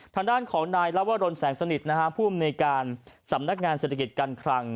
ทางด้านของนายเล่าว่ารนแสงสนิทนะฮะภูมิในการสำนักงานเศรษฐกิจกันครัง